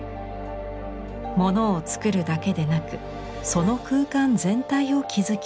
ものを作るだけでなくその空間全体を築き上げる。